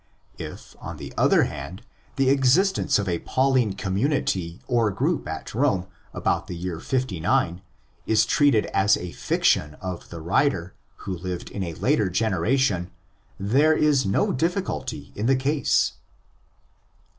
If, on the other hand, the existence of a Pauline community or group at Rome about the year 59 is treated as a fiction of the writer, who lived in a later generation, there is no difficulty in the case.